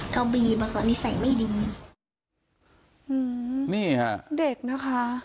ก็บีบอ่ะก็นิสัยไม่ดีนี่ค่ะเด็กนะคะ